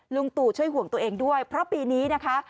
ลุงตู่ช่วยห่วงตัวเองด้วยเพราะปีนี้นะคะ